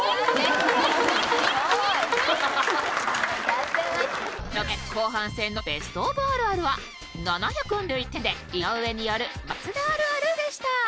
よって後半戦のベストオブあるあるは７４１点で井上による松田あるあるでした